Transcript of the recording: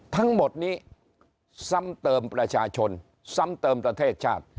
ทั้งหมดนี้ซ้ำเติมประชาชนซ้ำเติมประเทศชาติ